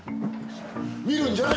見るんじゃない！